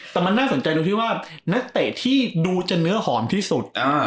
แต่มันน่าสนใจตรงที่ว่านักเตะที่ดูจะเนื้อหอมที่สุด